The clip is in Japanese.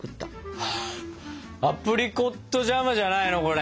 アプリコットジャムじゃないのこれ！